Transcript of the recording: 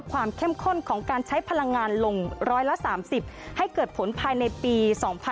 ภายในปี๒๕๗๙